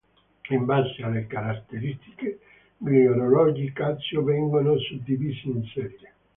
In base alle caratteristiche, gli orologi Casio vengono suddivisi in serie.